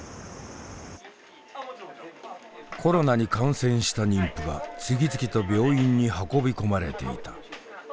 コロナに感染した妊婦が次々と病院に運び込まれていた。